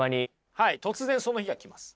はい突然その日が来ます。